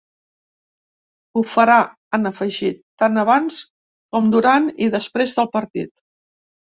Ho farà, han afegit, ‘tant abans com durant i després del partit’.